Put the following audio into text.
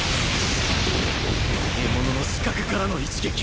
獲物の死角からの一撃を！